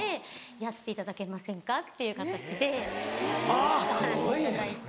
やっていただけませんか？」っていう形でお話頂いて。